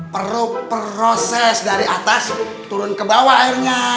perut proses dari atas turun ke bawah airnya